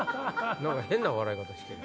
何か変な笑い方してる。